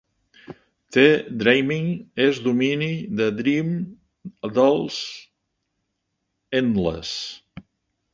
The Dreaming és domini de Dream, dels Endless.